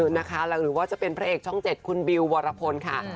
หรือว่าจะเป็นพระเอกช่อง๗คุณบิววรพลค่ะ